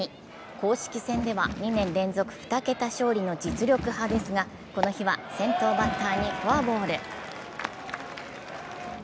公式戦では２年連続２桁勝利の実力派ですが、この日は先頭バッターにフォアボール。